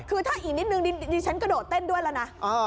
คือถ้าอีกนิดนึงดิฉันกระโดดเต้นด้วยแล้วนะ